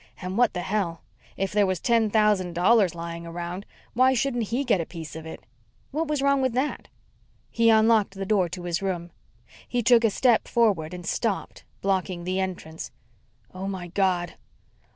And what the hell! If there was ten thousand dollars lying around, why shouldn't he get a piece of it? What was wrong with that? He unlocked the door to his room. He took a step forward and stopped, blocking the entrance. "Oh, my God!"